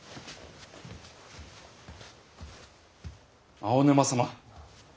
青沼様！